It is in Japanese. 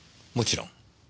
もちろん。